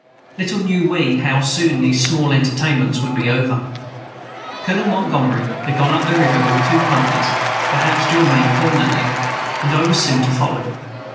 Little knew we how soon these small entertainments would be over. Colonel Montgomery had gone up the river with his two companies, perhaps to remain permanently; and I was soon to follow.